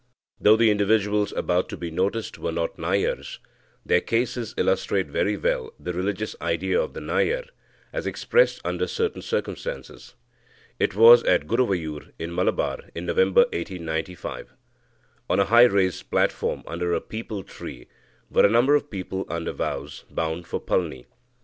Though the individuals about to be noticed were not Nayars, their cases illustrate very well the religious idea of the Nayar as expressed under certain circumstances. It was at Guruvayur (in Malabar) in November 1895. On a high raised platform under a peepul tree were a number of people under vows, bound for Palni.